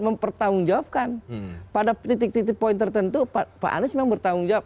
mempertanggungjawabkan pada titik titik poin tertentu pak anies memang bertanggung jawab